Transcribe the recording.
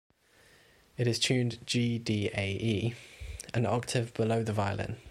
It is tuned G-D-A-E, an octave below the violin.